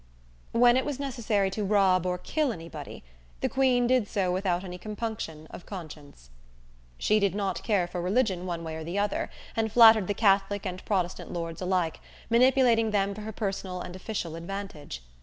When it was necessary to rob or kill anybody, the Queen did so without any compunction of conscience. She did not care for religion one way or the other, and flattered the Catholic and Protestant lords alike, manipulating them for her personal and official advantage.